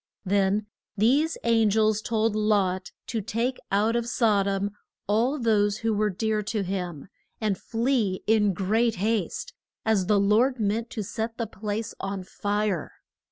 Then these an gels told Lot to take out of Sod om all those who were dear to him, and flee in great haste, as the Lord meant to set the place on fire.